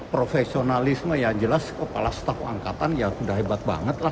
profesionalisme yang jelas kepala staf angkatan ya sudah hebat banget lah